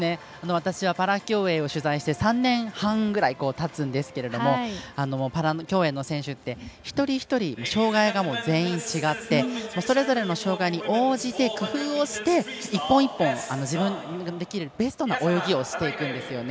私はパラ競泳を取材して３年半ぐらいたつんですがパラ競泳の選手って一人一人、障がいが全員違ってそれぞれの障がいに応じて工夫をして１本１本自分ができるベストな泳ぎをしていくんですよね。